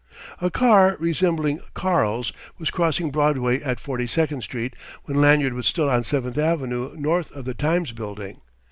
A car resembling "Karl's" was crossing Broadway at Forty second Street when Lanyard was still on Seventh Avenue north of the Times Building.